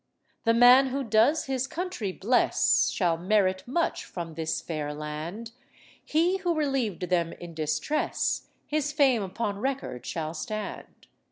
The man who does his country bless Shall merit much from this fair land; He who relieved them in distress His fame upon record shall stand.